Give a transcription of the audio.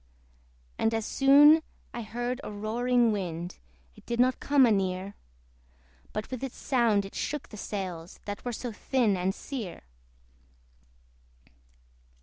And soon I heard a roaring wind: It did not come anear; But with its sound it shook the sails, That were so thin and sere.